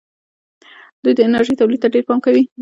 دوی د انرژۍ تولید ته ډېر پام کوي.